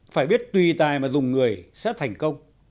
phải biết tùy tài mà dùng người sẽ thành công